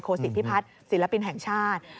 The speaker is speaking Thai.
สิพิพัฒน์ศิลปินแห่งชาติ